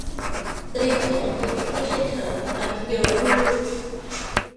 เตรียมของไปปิกนิกกันเถอะ อบิเกลพูด